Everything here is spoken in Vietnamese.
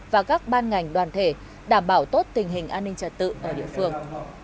và các ban ngành đoàn thể đảm bảo tốt tình hình an ninh trật tự ở địa phương